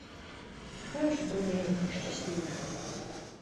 Такая ўжо доля яе нешчаслівая.